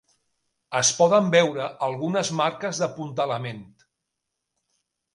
Es poden veure algunes marques d'apuntalament.